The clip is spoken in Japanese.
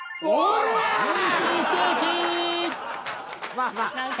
まあまあ。